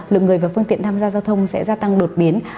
lượng người và phương tiện tham gia giao thông sẽ gia tăng đột biến